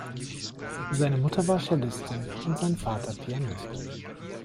Seine Mutter war Cellistin und sein Vater Pianist.